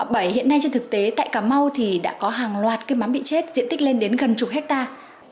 bởi hiện nay trên thực tế tại cà mau thì đã có hàng loạt cái mắm bị chết diện tích lên đến gần chục hectare